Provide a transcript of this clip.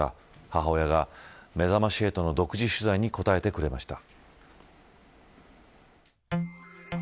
母親がめざまし８の独自取材に答えてくれました。